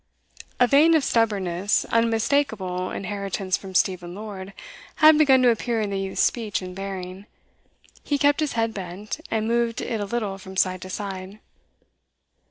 A vein of stubbornness, unmistakable inheritance from Stephen Lord, had begun to appear in the youth's speech and bearing. He kept his head bent, and moved it a little from side to side.